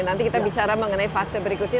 nanti kita bicara mengenai fase berikutnya